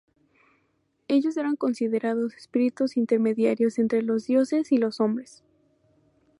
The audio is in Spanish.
Ellos eran considerados espíritus intermediarios entre los dioses y los hombres.